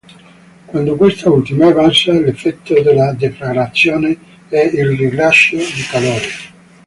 Quando quest'ultima è bassa, l'effetto della deflagrazione è il rilascio di calore.